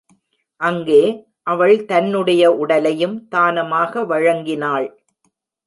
அங்கே, அவள் தன்னுடைய உடலையும் தானமாக வழங்கினாள்.